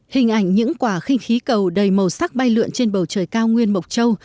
hình ảnh những quả khinh khí cầu đầy màu sắc bay lượn trên bầu trời cao nguyên mộc châu